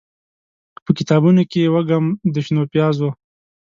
به کتابونوکې یې، وږم د شنو پیازو